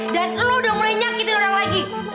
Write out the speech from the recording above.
dan lo udah mulai nyakitin orang lagi